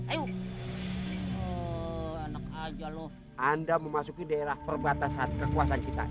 enak aja loh anda memasuki daerah perbatasan kekuasaan kita